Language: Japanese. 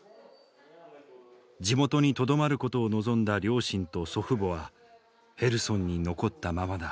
地元にとどまることを望んだ両親と祖父母はヘルソンに残ったままだ。